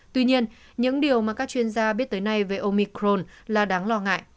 tuy nhiên những điều mà các chuyên gia biết tới nay về omicron là đáng lo ngại